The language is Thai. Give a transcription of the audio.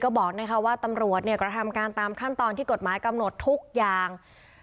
บอกว่าตำรวจกระทำการตามขั้นตอนที่กฎหมายกำหนดทุกอย่าง